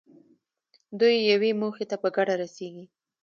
دوی یوې موخې ته په ګډه رسېږي.